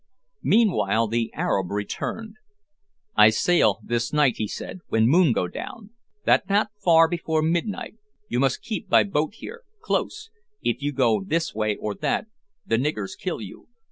Meanwhile the Arab returned. "I sail this night," he said, "when moon go down. That not far before midnight. You mus keep by boat here close. If you go this way or that the niggers kill you.